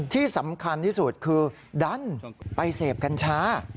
ที่สำคัญที่สุดคือดันไปเสพกัญชา